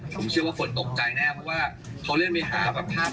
ผมเชื่อว่าคนตกใจแน่เพราะว่าเขาเล่นไปหาแบบภาพตอบหลับภาพ